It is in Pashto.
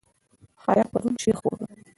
حیا پرون شعر خپور کړ.